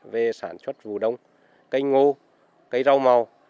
về sản xuất vù đông cây ngô cây rau màu